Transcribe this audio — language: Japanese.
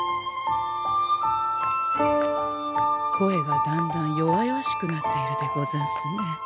声がだんだん弱々しくなっているでござんすね。